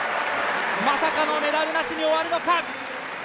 まさかのメダルなしに終わるのか。